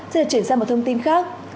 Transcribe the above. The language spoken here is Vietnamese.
giờ chuyển sang một thông tin khác